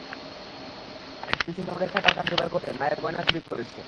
একদিন সিনেমা দেখার টাকা জোগাড় করতে মায়ের গয়না চুরি করে সে।